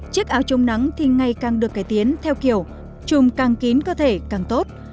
chiếc áo chống nắng thì ngày càng được cải tiến theo kiểu chùm càng kín cơ thể càng tốt